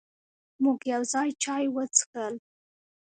مونږ یو ځای چای وڅښل.